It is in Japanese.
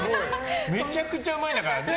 めちゃくちゃうまいんだから。